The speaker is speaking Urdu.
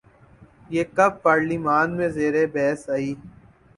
یہ کب پارلیمان میں زیر بحث آئی؟